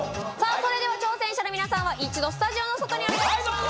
それでは挑戦者の皆さんは一度スタジオの外にお願いいたします